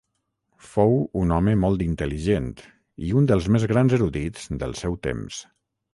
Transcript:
Fou un home molt intel·ligent i un dels més grans erudits del seu temps.